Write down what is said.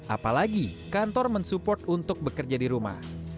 apalagi kantor mensupport untuk bekerja di rumah